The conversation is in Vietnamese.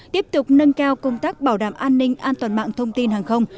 tiếp tục nâng cao công tác bảo đảm an ninh an toàn mạng thông tin hàng không